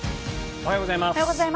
おはようございます。